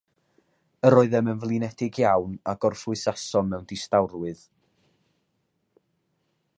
Yr oeddem yn flinedig iawn, a gorffwysasom mewn distawrwydd.